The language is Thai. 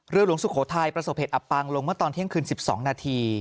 หลวงสุโขทัยประสบเหตุอับปางลงเมื่อตอนเที่ยงคืน๑๒นาที